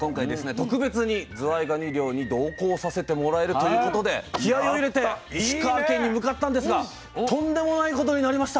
特別にずわいがに漁に同行させてもらえるということで気合いを入れて石川県に向かったんですがとんでもないことになりました。